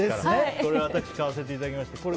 これを私買わせていただきました。